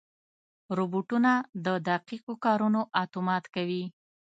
روبوټونه د دقیقو کارونو اتومات کوي.